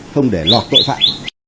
không để lọt tội phạm